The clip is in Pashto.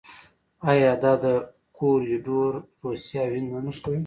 آیا دا کوریډور روسیه او هند نه نښلوي؟